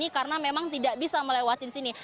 karena memang tidak bisa melewati di sini